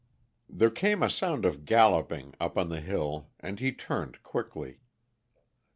There came a sound of galloping, up on the hill, and he turned quickly.